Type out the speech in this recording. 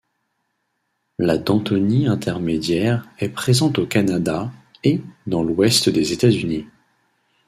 La danthonie intermédiaire est présente au Canada et dans l’ouest des États-Unis.